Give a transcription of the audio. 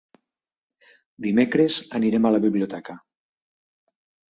Dimecres anirem a la biblioteca.